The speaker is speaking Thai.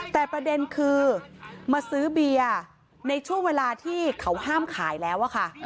แต่ประเด็นคือมาซื้อเบียร์ในช่วงเวลาที่เขาห้ามขายแล้วอะค่ะ